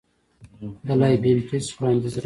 د لایبینټس وړاندیز رد شو.